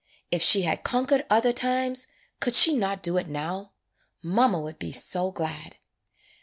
If she had conquered other times, could she not do it now? Mamma would be so glad.